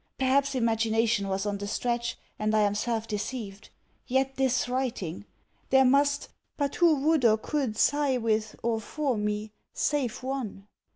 Perhaps imagination was on the stretch, and I am self deceived. Yet this writing! There must but who would or could sigh with or for me, save one?